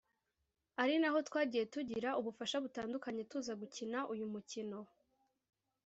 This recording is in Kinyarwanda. ari naho twagiye tugira ubufasha butandukanye tuza gukina uyu mukino